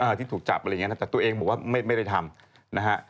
ที่ถูกจับอะไรอย่างเงี้นะแต่ตัวเองบอกว่าไม่ไม่ได้ทำนะฮะ